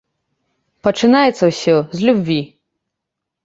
Пачынаецца ўсё з любві.